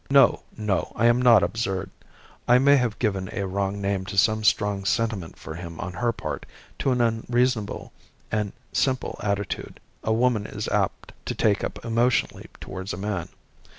No, no, I am not absurd. I may have given a wrong name to some strong sentiment for him on her part, to an unreasonable and simple attitude a woman is apt to take up emotionally towards a man.